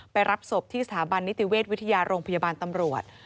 รับศพที่สถาบันนิติเวชวิทยาโรงพยาบาลตำรวจ